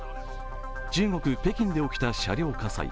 中国・北京で起きた車両火災。